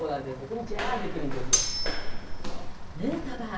ヌートバー